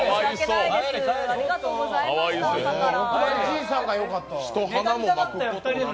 ありがとうございました、朝から。